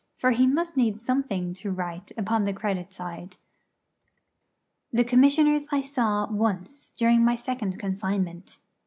for he must need something to write upon the credit side. The Commissioners I saw once during my second confinement.